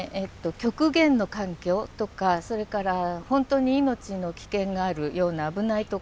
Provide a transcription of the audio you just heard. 極限の環境とかそれから本当に命の危険があるような危ない所